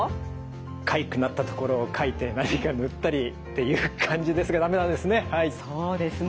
かゆくなったところをかいて何か塗ったりっていう感じですが駄目なんですね。